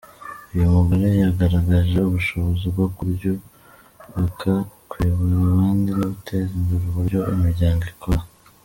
Uyu mugore yagaragaje ubushobozi bwo kuryubaka, kuyobora abandi no guteza imbere uburyo imiryango ikora.